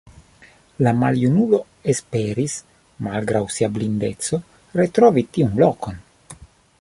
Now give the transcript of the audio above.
La maljunulo esperis malgraŭ sia blindeco retrovi tiun lokon.